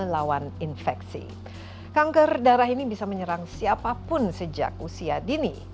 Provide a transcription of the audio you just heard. kanker darah ini bisa menyerang siapapun sejak usia dini